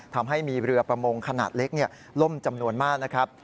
ทำให้มีเรือประมงขนาดเล็กล่มจำนวนมากนะครับ